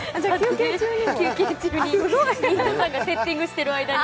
休憩中に、みんながセッティングしている間に。